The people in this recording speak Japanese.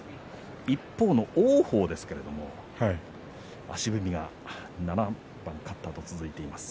一方の王鵬ですけれども足踏みが７番勝ったあと続いています。